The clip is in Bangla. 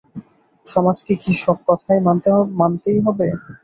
সমাজকে কি সব কথায় মানতেই হবে?